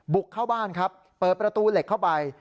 บุกเข้าบ้านครับเปิดประตูเหล็กเข้าไป